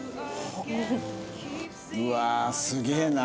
うわあすげえな。